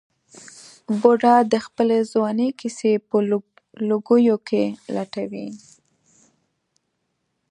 بوډا د خپلې ځوانۍ کیسې په لوګیو کې لټولې.